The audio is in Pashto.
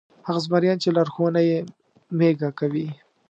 هغه زمریان چې لارښوونه یې مېږه کوي.